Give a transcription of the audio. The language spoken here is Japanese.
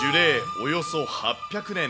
およそ８００年。